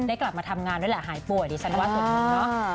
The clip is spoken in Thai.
กลับมาทำงานด้วยแหละหายป่วยดิฉันว่าส่วนหนึ่งเนาะ